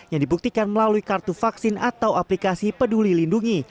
yang dibuktikan melalui kartu vaksin atau aplikasi peduli lindungi